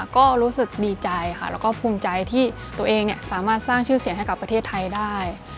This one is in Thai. ก็รู้สึกดีใจค่ะแล้วก็ภูมิใจที่ตัวเองสามารถสร้างชื่อเสียงให้กับประเทศไทยได้